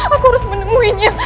aku harus menemuinya